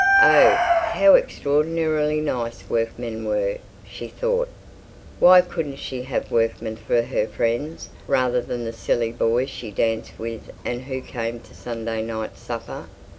Oh, how extraordinarily nice workmen were, she thought. Why couldn't she have workmen for her friends rather than the silly boys she danced with and who came to Sunday night supper?